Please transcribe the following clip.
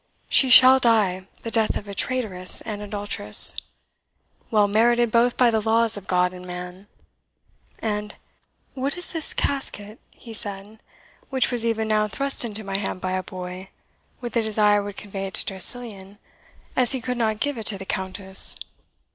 She shall die the death of a traitress and adulteress, well merited both by the laws of God and man! And what is this casket," he said, "which was even now thrust into my hand by a boy, with the desire I would convey it to Tressilian, as he could not give it to the Countess?